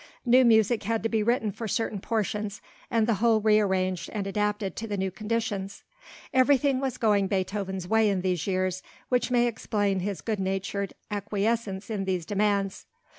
New music had to be written for certain portions, and the whole rearranged and adapted to the new conditions. Everything was going Beethoven's way in these years, which may explain his good natured acquiescence in these demands.